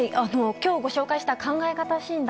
今日ご紹介した考え方診断